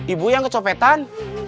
ibu yang kecopetan